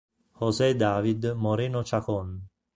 José David Moreno Chacón